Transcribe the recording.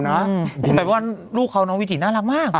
แต่ว่าลูกเขาน้องวิถีน่ารักมาก